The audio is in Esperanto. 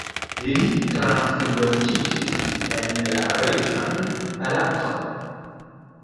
Li translokiĝis en la reĝan palacon.